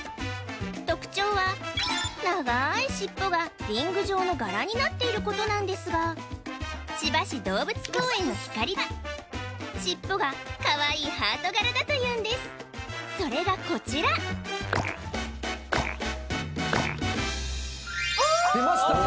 特徴は長い尻尾がリング状の柄になっていることなんですが千葉市動物公園のヒカリは尻尾がかわいいハート柄だというんですそれがこちらああ出ました